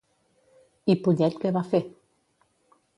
I Pollet què va fer?